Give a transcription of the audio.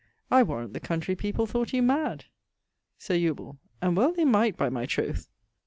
_ I warrant the country people thought you mad (Sir Eubule: And well they might, by my troth!)